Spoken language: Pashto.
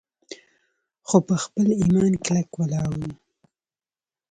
خو پۀ خپل ايمان کلک ولاړ وو